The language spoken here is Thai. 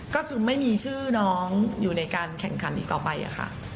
ก็คือไม่มีชื่อน้องอยู่ในการแข่งขันอีกต่อไปค่ะ